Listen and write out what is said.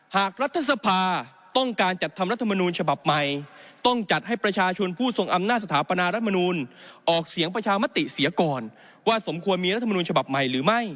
หากรัฐสภาต้องการจัดทำรัฐมนุนฉบับใหม่